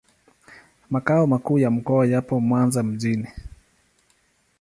Makao makuu ya mkoa yapo Mwanza mjini.